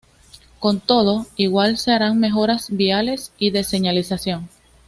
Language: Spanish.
Con todo, igual se harán mejoras viales y de señalización.